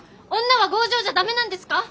女は強情じゃ駄目なんですか？